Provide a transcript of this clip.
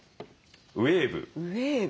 ウエーブ。